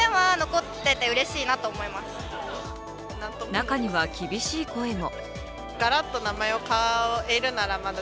中には、厳しい声も。